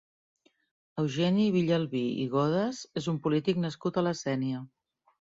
Eugeni Villalbí i Godes és un polític nascut a la Sénia.